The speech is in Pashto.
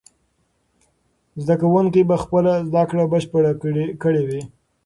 زده کوونکي به خپله زده کړه بشپړه کړې وي.